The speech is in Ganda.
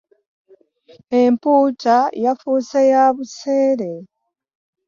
Empuuta yafuuse yabuseere .